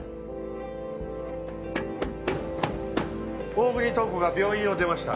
大國塔子が病院を出ました。